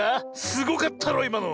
すごかったろいまの。